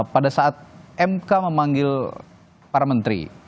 pada saat mk memanggil para menteri